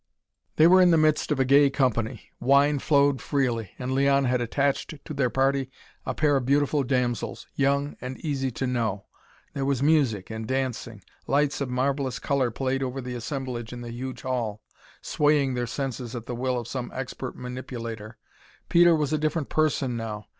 They were in the midst of a gay company. Wine flowed freely, and Leon had attached to their party a pair of beautiful damsels, young, and easy to know. There was music and dancing. Lights of marvelous color played over the assemblage in the huge hall, swaying their senses at the will of some expert manipulator. Peter was a different person now.